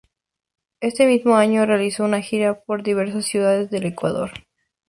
Ese mismo año realizó una gira por diversas ciudades de Ecuador.